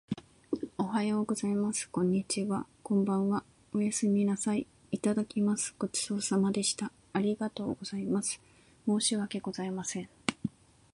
おはようございます。こんにちは。こんばんは。おやすみなさい。いただきます。ごちそうさまでした。ありがとうございます。申し訳ございません。